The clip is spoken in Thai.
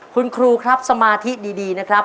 คุณครูครับสมาธิดีนะครับ